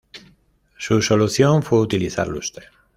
Su solución fue utilizar lustre.